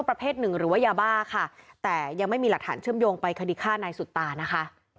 ครับครับว่าไม่รู้อยู่แล้ว